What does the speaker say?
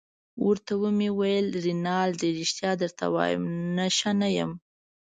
ورته ومې ویل: رینالډي ريښتیا درته وایم، نشه نه یم.